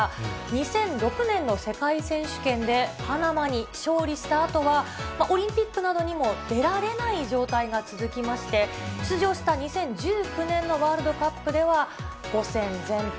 ２００６年の世界選手権で、パナマに勝利したあとは、オリンピックなどにも出られない状態が続きまして、出場した２０１９年のワールドカップでは、５戦全敗。